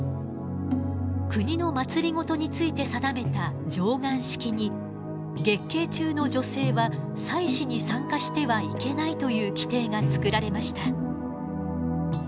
国の政について定めた貞観式に月経中の女性は祭祀に参加してはいけないという規定が作られました。